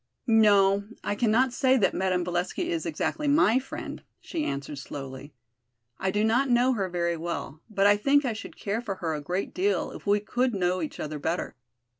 "No, I cannot say that Madame Valesky is exactly my friend," she answered slowly. "I do not know her very well, but I think I should care for her a great deal if we could know each other better.